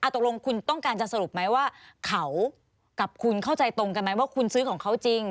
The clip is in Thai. ตกลงคุณต้องการจะสรุปไหมว่าเขากับคุณเข้าใจตรงกันไหมว่าคุณซื้อของเขาจริง